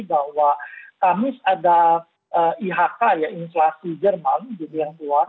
bahwa kamis ada ihk ya inflasi jerman gitu yang keluar